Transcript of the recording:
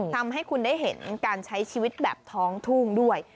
ทำให้คุณได้เห็นการใช้ชีวิตแบบท้องทุ่งด้วย